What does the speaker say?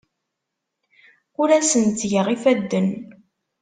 Ur asen-ttgeɣ ifadden.